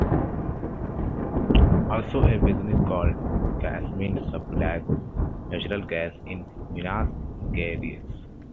Also, a business called Gasmig supplies natural gas in Minas Gerais.